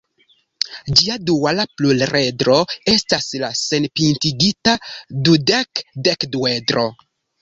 Ĝia duala pluredro estas la senpintigita dudek-dekduedro.